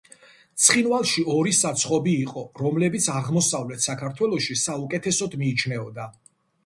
ცხინვალში ორი საცხობი იყო, რომლებიც აღმოსავლეთ საქართველოში საუკეთესოდ მიიჩნეოდა.